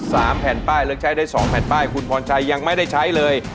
สามแผ่นป้ายเลือกใช้ได้สองแผ่นป้ายคุณพรชัยยังไม่ได้ใช้เลย